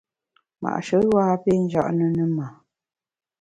Ma’she yua a pé nja’ ne ne ma !